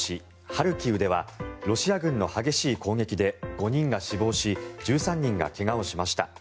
ハルキウではロシア軍の激しい攻撃で５人が死亡し１３人が怪我をしました。